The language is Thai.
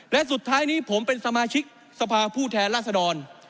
และสุดท้ายนี้ผมเป็นสมาชิกสภาผู้แทนราษดร